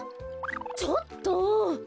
ちょっと！